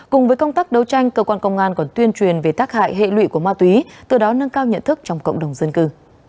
cùng với công tác đấu tranh cơ quan công an còn tuyên truyền về tác hại hệ lụy của ma túy từ đó nâng cao nhận thức trong cộng đồng dân cư